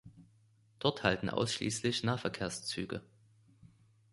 Dort halten ausschließlich Nahverkehrszüge.